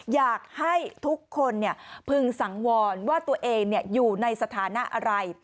อยากให้ทุกคนพึงสังวรว่าตัวเองอยู่ในสถานะอะไร